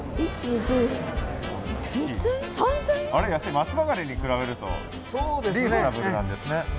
松葉ガニに比べるとリーズナブルなんですね。